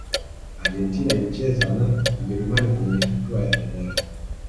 argentina ilicheza na ujerumani kwenye hatua ya fainali